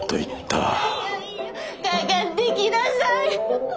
かかってきなさい！